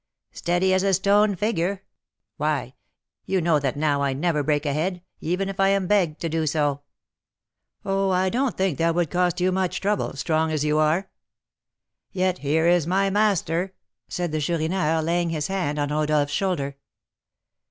"Steady as a stone figure. Why, you know that now I never break a head, even if I am begged to do so!" "Oh, I don't think that would cost you much trouble, strong as you are." "Yet here is my master," said the Chourineur, laying his hand on Rodolph's shoulder.